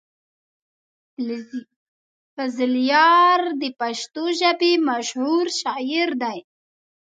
فضلیار د پښتو ژبې مشهور شاعر دی.